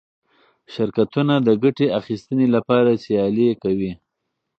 شرکتونه د ګټې اخیستنې لپاره سیالي کوي.